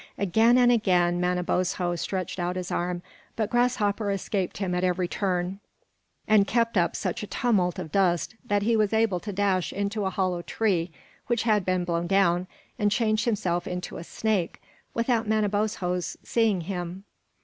Again and again Manabozho stretched out his arm, but Grasshopper escaped him at every turn and kept up such a tumult of dust that he was able to dash into a hollow tree which had been blown down, and change himself into a snake without Manabozho's seeing him.